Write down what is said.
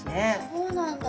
そうなんだ！